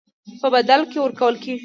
په بدل کې ورکول کېږي.